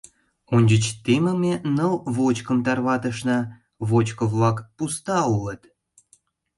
Ончыч темыме ныл вочкым тарватышна — вочко-влак пуста улыт.